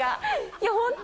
いやホント。